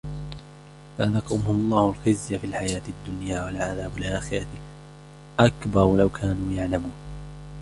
فَأَذَاقَهُمُ اللَّهُ الْخِزْيَ فِي الْحَيَاةِ الدُّنْيَا وَلَعَذَابُ الْآخِرَةِ أَكْبَرُ لَوْ كَانُوا يَعْلَمُونَ